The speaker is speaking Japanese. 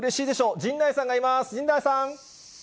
陣内さん。